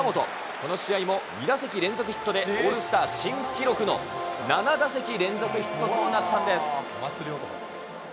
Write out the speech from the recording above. この試合も２打席連続ヒットでオールスター新記録の７打席連続ヒットとなったんです。